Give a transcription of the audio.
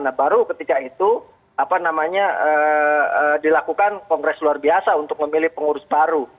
nah baru ketika itu apa namanya dilakukan kongres luar biasa untuk memilih pengurus baru